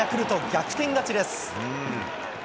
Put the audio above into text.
逆転勝ちです。